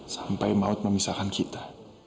sampai maut memisahkan kita